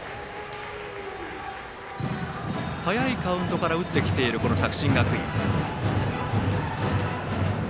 早いカウントから打ってきている作新学院。